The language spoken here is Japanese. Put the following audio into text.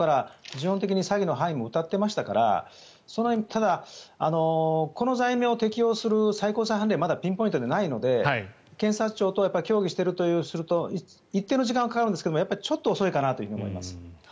捜査は時間がかかるんですが犯行は明白ですし当初から詐欺の範囲もうたっていましたからただ、この罪名を適用する最高裁判例がまだピンポイントでないので検察庁と協議しているとすると一定の時間はかかるんですが遅いかなと思います。